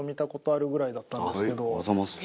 ありがとうございます。